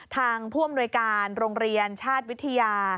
ทางผู้อำนวยการโรงเรียนชาติวิทยา